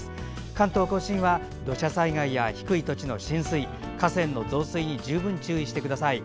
関東・甲信は土砂災害や低い土地の浸水河川の増水に十分、注意してください。